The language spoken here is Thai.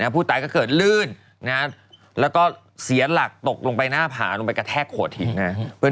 ผู้ตายก็เกิดลื่นแล้วก็เสียหลักตกลงไปหน้าผาลงไปกระแทกโขดหินนะ